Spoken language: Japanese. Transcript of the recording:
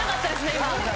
今。